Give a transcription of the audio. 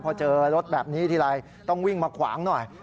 พอเจอรถแบบนี้ทีไรต้องวิ่งมาขวางหน่อย